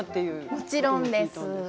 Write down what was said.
もちろんです。